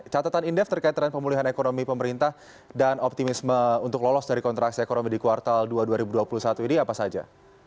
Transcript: catatan indef terkait tren pemulihan ekonomi pemerintah dan optimisme untuk lolos dari kontraksi ekonomi di kuartal dua dua ribu dua puluh satu ini apa saja